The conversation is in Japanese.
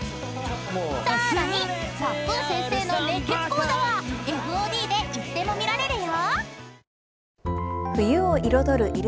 ［さらにタックン先生の熱血講座はＦＯＤでいつでも見られるよ］